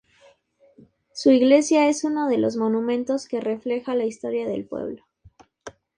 Su iglesia es uno de los monumentos que refleja la historia del pueblo.